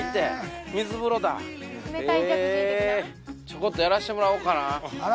ちょこっとやらせてもらおうかな。